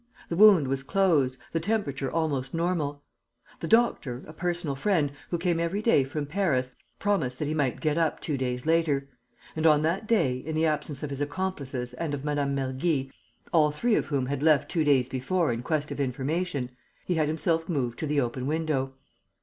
The wound was closed, the temperature almost normal. The doctor, a personal friend, who came every day from Paris, promised that he might get up two days later. And, on that day, in the absence of his accomplices and of Mme. Mergy, all three of whom had left two days before, in quest of information, he had himself moved to the open window.